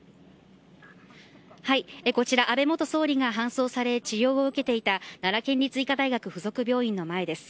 こちら安倍元総理が搬送され治療を受けていた奈良県医科大学附属病院の前です。